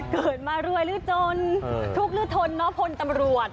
เกิดมารวยหรือจนทุกข์หรือทนเนาะพลตำรวจ